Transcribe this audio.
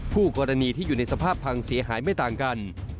ผู้กรณีที่อยู่ในสภาพพังเสียหายไม่ต่างกัน